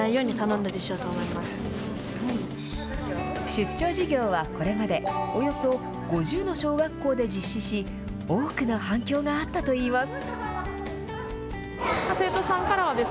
出張授業はこれまで、およそ５０の小学校で実施し、多くの反響があったといいます。